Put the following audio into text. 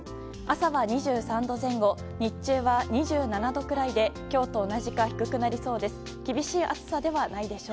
朝は２３度前後日中は２７度くらいで今日と同じか低くなりそうです。